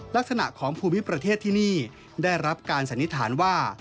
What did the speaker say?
ลักษณะของภูมิประเทศที่นี่ได้รับการสันนิษฐานว่า